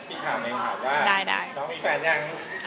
พี่ถามเองด่าได้น้องมีแฟนยัง